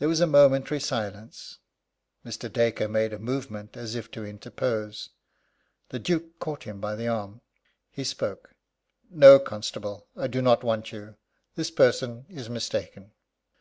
There was a momentary silence. Mr. Dacre made a movement as if to interpose. The Duke caught him by the arm. He spoke: "No, constable, I do not want you. This person is mistaken."